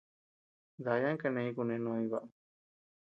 Dayan kaneñ kunenoñ baʼam.